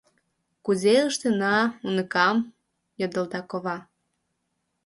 — Кузе ыштена, уныкам? — йодылда кова.